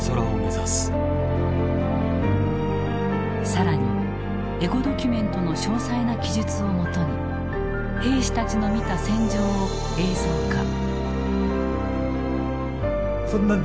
更にエゴドキュメントの詳細な記述をもとに兵士たちの見た戦場を映像化。